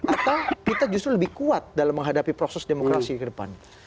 atau kita justru lebih kuat dalam menghadapi proses demokrasi ke depan